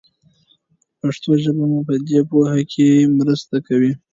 پښتو ژبه مو په دې پوهه کې مرسته کوي.